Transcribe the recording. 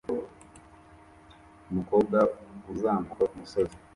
Umukobwa uzamuka kumusozi